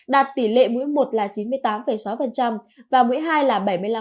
đạt tỷ lệ mũi một là chín mươi tám sáu và mũi hai là bảy mươi năm ba mươi bốn